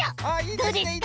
どうですか？